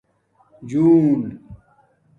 جون